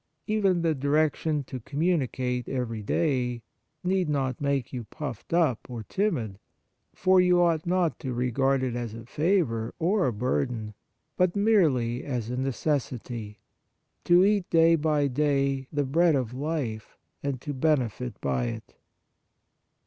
Even the direction to communicate every day need not make you puffed up or 83 On the Exercises of Piety timid; for you ought not to regard it as a favour or a burden, but merely as a necessity, to eat day by day the Bread of Life and to benefit by it.